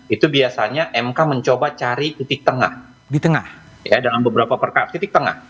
itu biasanya mk mencoba cari titik tengah di tengah dalam beberapa perkara titik tengah